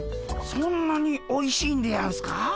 そんなにおいしいんでやんすか？